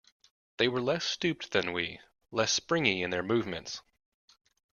They were less stooped than we, less springy in their movements.